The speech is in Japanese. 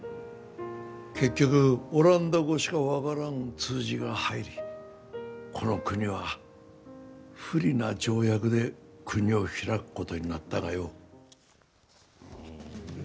結局、オランダ語しか分からん通詞が入りこの国は、不利な条約で国を開くことになったがよ。